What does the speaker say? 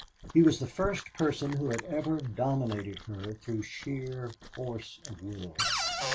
He was the first person who had ever dominated her through sheer force of will.